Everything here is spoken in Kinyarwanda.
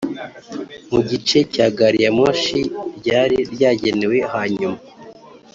mu gice cya gari ya moshi ryari ryagenewe Hanyuma